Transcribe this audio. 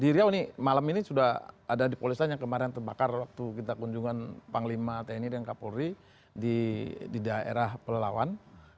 di riau ini malam ini sudah ada di polisan yang kemarin terbakar waktu kita kunjungan panglima tni dan kapolri di daerah pelawan